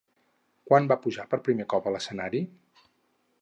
Quan va pujar per primer cop a l'escenari?